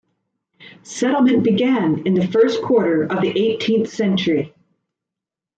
Settlement began in the first quarter of the eighteenth century.